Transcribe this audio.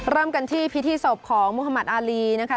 เริ่มกันที่พิธีศพของมุธมัติอารีนะคะ